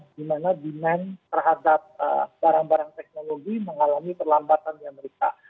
di mana demand terhadap barang barang teknologi mengalami perlambatan di amerika